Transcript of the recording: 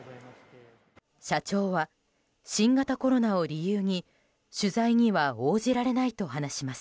社長は新型コロナを理由に取材には応じられないと話します。